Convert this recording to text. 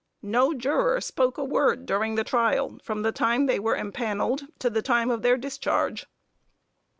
No juror spoke a word during the trial, from the time they were impanelled to the time of their discharge.